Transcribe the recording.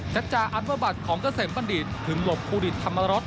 จัดจาอัมเบอร์บัตรของเกษมบัณฑิตถึงหลบภูดิตธรรมรส